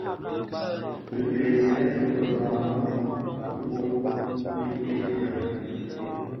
Bi bësè ñaran bum binted byan?